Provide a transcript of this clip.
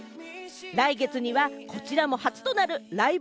来月にはこちらも初となるライブ